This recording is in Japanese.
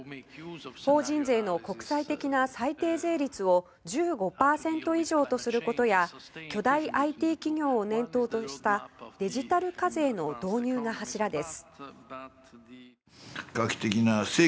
法人税の国際的な最低税率を１５％以上とすることや巨大ＩＴ企業を念頭としたデジタル課税の導入が柱です。